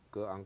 ke angka satu